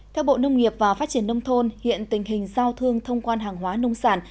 theo bộ nông nghiệp và phát triển nông thôn hiện tình hình giao thương thông quan hàng hóa nông sản